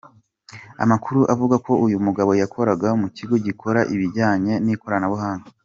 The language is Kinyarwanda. Amakuru avuga ko uyu mugabo yakoraga mu kigo gikora ibijyanye n’Ikoranabuhanga.